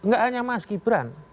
terus gak hanya mas gibran